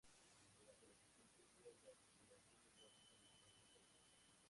Durante los siguientes días, la tripulación del barco comenzó a desaparecer.